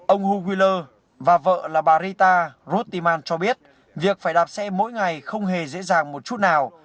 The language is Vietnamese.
ông huwiler và vợ là varita rutiman cho biết việc phải đạp xe mỗi ngày không hề dễ dàng một chút nào